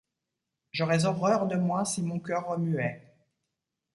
J'aurais horreur de moi si mon coeur remuait.